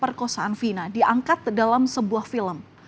perkosaan vina diangkat dalam sebuah film